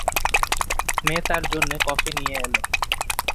মেয়ে তাঁর জন্যে কফি নিয়ে এল।